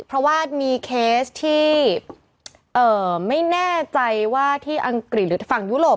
เพราะว่ามีเคสที่ไม่แน่ใจว่าที่อังกฤษหรือฝั่งยุโรป